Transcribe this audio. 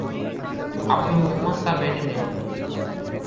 আবদুর রহমান তা মেনে নেন।